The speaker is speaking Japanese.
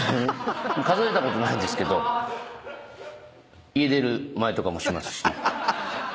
数えたことないですけど家出る前とかもしますし。